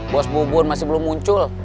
bos bubun masih belum muncul